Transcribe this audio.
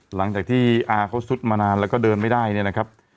หลังจากที่อาเขาซุดมานานแล้วก็เดินไม่ได้เนี่ยนะครับ